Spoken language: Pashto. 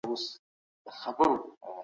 د طالب جان او ګلبشرې کيسه ډېره مشهوره وه.